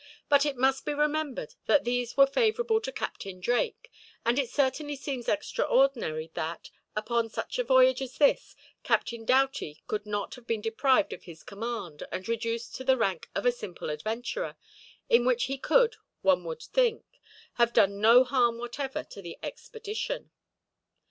But it must be remembered that these were favorable to Captain Drake, and it certainly seems extraordinary that, upon such a voyage as this, Captain Doughty could not have been deprived of his command and reduced to the rank of a simple adventurer; in which he could, one would think, have done no harm whatever to the expedition.